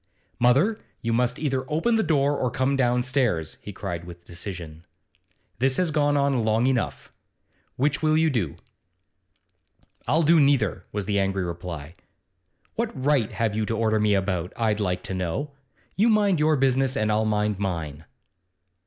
'Mother, you must either open the door or come downstairs,' he cried with decision. 'This has gone on long enough. Which will you do?' 'I'll do neither,' was the angry reply. 'What right have you to order me about, I'd like to know? You mind your business, and I'll mind mine.